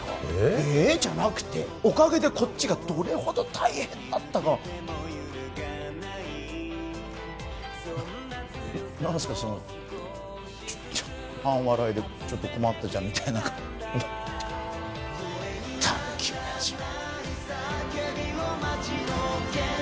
えーっじゃなくておかげでこっちがどれほど大変だったか何すかそのちょっ半笑いでちょっと困ったちゃんみたいな顔チッ狸親父め